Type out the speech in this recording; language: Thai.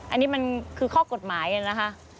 อันนี้มันคือข้อกฎหมายนะคะ